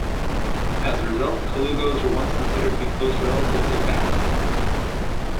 As a result, colugos were once considered to be close relatives of bats.